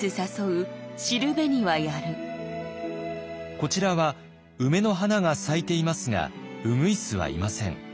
こちらは梅の花が咲いていますが鶯はいません。